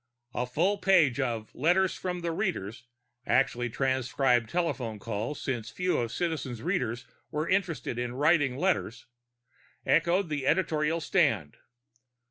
A full page of "letters from the readers" actually transcribed phone calls, since few of Citizen's readers were interested in writing letters echoed the editorial stand.